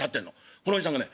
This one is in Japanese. このおじさんがね